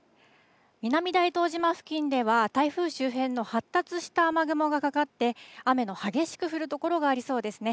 南大東島付近では、台風周辺の発達した雨雲がかかって、雨の激しく降る所がありそうですね。